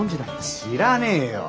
知らねえよ。